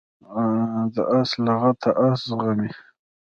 د آس لغته آس زغمي.